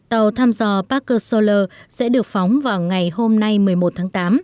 tàu tham dò parker solar sẽ được phóng vào ngày hôm nay một mươi một tháng tám